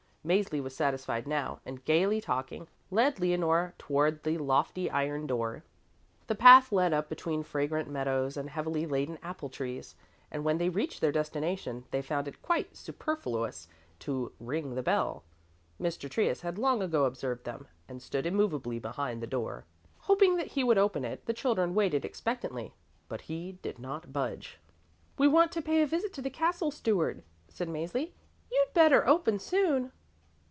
Mäzli was satisfied now, and, gaily talking, led Leonore toward the lofty iron door. The path led up between fragrant meadows and heavily laden apple trees, and when they reached their destination, they found it quite superfluous to ring the bell. Mr. Trius had long ago observed them and stood immovably behind the door. Hoping that he would open it, the children waited expectantly, but he did not budge. "We want to pay a visit to the Castle Steward," said Mäzli. "You'd better open soon."